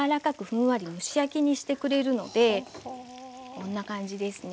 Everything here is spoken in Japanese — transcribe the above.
こんな感じですね。